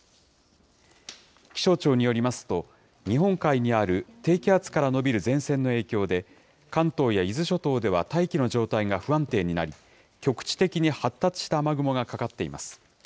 気象庁によりますと、日本海にある低気圧から延びる前線の影響で、関東や伊豆諸島では大気の状態が不安定になり、局地的に発達した雨雲がかかっています。